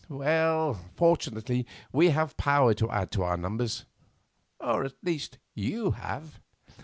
Well, fortunately, we have power to add to our numbers; or at least you have.